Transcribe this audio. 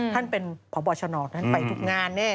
ท่านเป็นพบอร์ชนอกที่ไปทุกงานเนี่ย